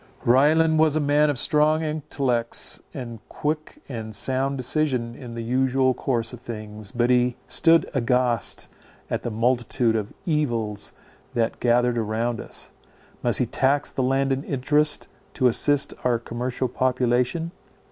Ryland was a man of strong intellects and quick and sound decision in the usual course of things, but he stood aghast at the multitude of evils that gathered round us. Must he tax the landed interest to assist our commercial population?